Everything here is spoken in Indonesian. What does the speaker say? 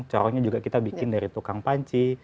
corongnya juga kita bikin dari tukang panci